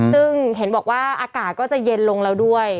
ซึ่งเห็นบอกว่าอากาศก็จะเย็นลงแล้วด้วย